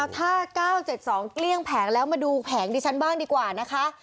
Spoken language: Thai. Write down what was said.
ถ้า๙๗๒เกลี้ยงแผงแล้วมาดูแผงดิฉันบ้างดีกว่านะคะ